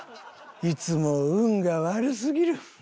いつも運が悪すぎる。